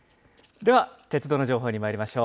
では鉄道の情報にまいりましょう。